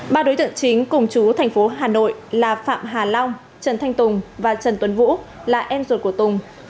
ba đối tượng chính cùng chú thành phố hà nội là phạm hà long trần thanh tùng và trần tuấn vũ là em ruột của tùng